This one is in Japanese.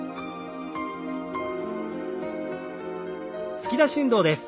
突き出し運動です。